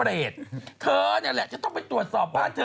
เธอนี่แหละจะต้องไปตรวจสอบบ้านเธอ